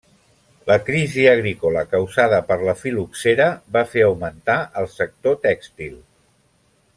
La crisi agrícola causada per la fil·loxera va fer augmentar el sector tèxtil.